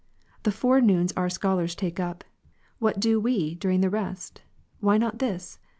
The forenoons our scholars take up ; what do we during the rest ? Why not this